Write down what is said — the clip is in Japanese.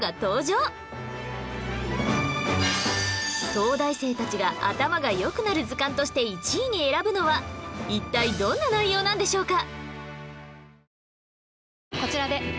東大生たちが頭が良くなる図鑑として１位に選ぶのは一体どんな内容なんでしょうか？